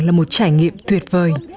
là một trải nghiệm tuyệt vời